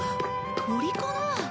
鳥かな？